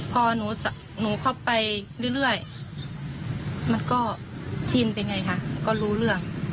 พอหนูเข้าไปเรื่อยมันก็ชินเป็นไงคะก็รู้เรื่อง